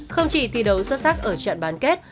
không chỉ thi đấu xuất sắc ở trận bán kết